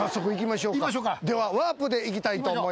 ではワープで行きたいと思います。